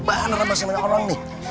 beneran masih banyak orang nih